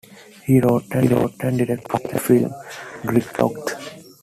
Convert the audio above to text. He wrote and directed the cult film "Gridlock'd".